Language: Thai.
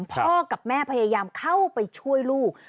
พ่อกับแม่พยายามเข้าไปช่วยลูก